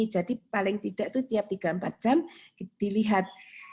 jadi paling tidak itu tiap tiga empat jam dilihat